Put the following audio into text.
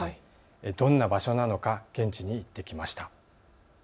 どんな場所なのか現地に行ってきました。